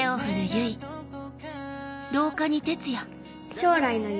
「将来の夢